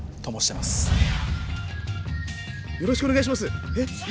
よろしくお願いします。